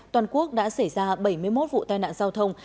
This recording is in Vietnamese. toàn quốc đã xảy ra bảy mươi một vụ tai nạn giao thông